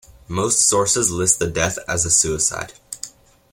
Most sources list the death as a suicide.